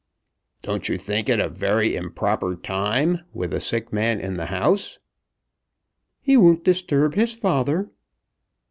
"Don't you think it a very improper time, with a sick man in the house?" "He won't disturb his father."